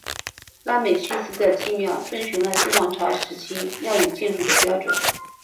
拉美西斯的祭庙遵循了新王朝时期庙与建筑的标准。